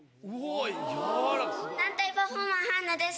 軟体パフォーマーはんなです。